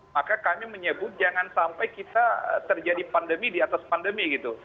maka kami menyebut jangan sampai kita terjadi pandemi di atas pandemi gitu